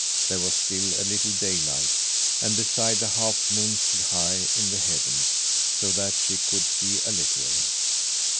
There was still a little daylight; and, beside, the half moon stood high in the heavens, so that she could see a little.